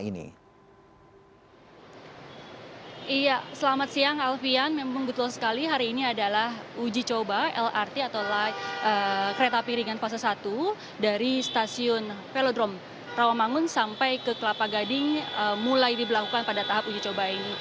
iya selamat siang alfian memang betul sekali hari ini adalah uji coba lrt atau light kereta api ringan fase satu dari stasiun velodrome rawamangun sampai ke kelapa gading mulai diberlakukan pada tahap uji coba ini